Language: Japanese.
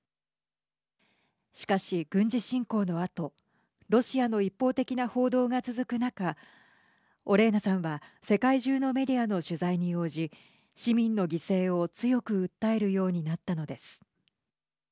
しかし、軍事侵攻のあとロシアの一方的な報道が続く中オレーナさんは世界中のメディアの取材に応じ市民の犠牲を強く訴えるようになったのです。